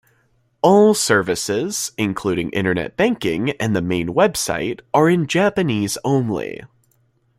All services, including Internet Banking and the main website are in Japanese only.